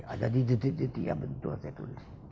ada di detik detik yang menentukan sekolah